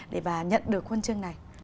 để bà nhận được huân chương này